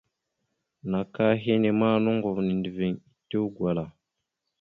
Naka henne ma noŋgov nendəviŋ etew gwala.